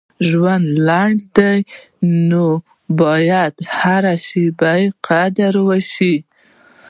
• ژوند لنډ دی، نو باید هره شیبه یې قدر وشي.